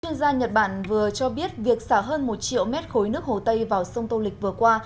chuyên gia nhật bản vừa cho biết việc xả hơn một triệu mét khối nước hồ tây vào sông tô lịch vừa qua